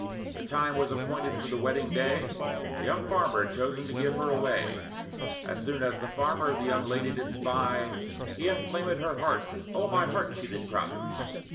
The time was appointed for the wedding day, A young farmer chosen to give her away; As soon as the farmer the young lady did spy, He inflamèd her heart; 'O, my heart!' she did cry.